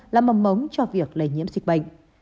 là mầm mống cho việc lây nhiễm dịch bệnh